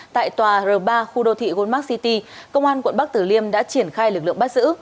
tại tòa r ba khu đô thị goldmark city công an quận bắc tử liêm đã triển khai lực lượng bắt giữ